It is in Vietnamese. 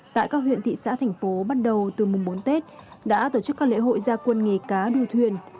tại các huyện thị xã thành phố bắt đầu từ mùng bốn tết đã tổ chức các lễ hội gia quân nghề cá đua thuyền